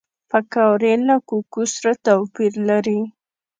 پکورې له کوکو سره توپیر لري